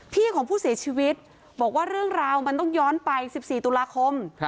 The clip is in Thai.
ของผู้เสียชีวิตบอกว่าเรื่องราวมันต้องย้อนไป๑๔ตุลาคม